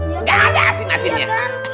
gak ada asin asinnya